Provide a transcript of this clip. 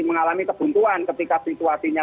mengalami kebuntuan ketika situasinya